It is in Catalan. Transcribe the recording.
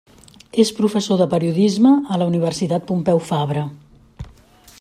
És professor de periodisme a la Universitat Pompeu Fabra.